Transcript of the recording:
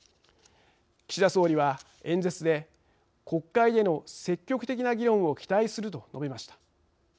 岸田総理は演説で国会での積極的な議論を期待すると述べました。